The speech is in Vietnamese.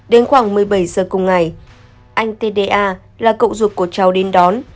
đến khoảng một mươi bảy h cùng ngày anh t d a là cậu ruột của cháu đến đón